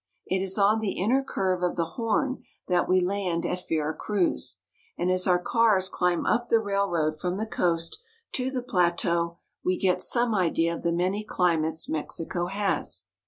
It is on the inner curve of the horn that we land at Vera Cruz ; and as our cars climb up the railroad from the coast to the plateau, we get some idea of the many climates Mexico has.